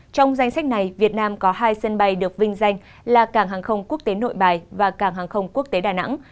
trong danh sách này việt nam có hai sân bay được vinh danh là cảng hàng không quốc tế nội bài và cảng hàng không quốc tế đà nẵng